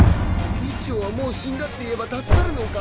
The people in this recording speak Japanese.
二丁はもう死んだって言えば助かるのか？